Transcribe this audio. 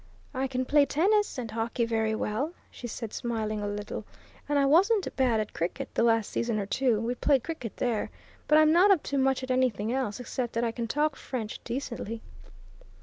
"I can play tennis and hockey very well," she said, smiling a little. "And I wasn't bad at cricket the last season or two we played cricket there. But I'm not up to much at anything else, except that I can talk French decently."